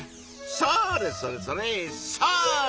それそれそれそれ！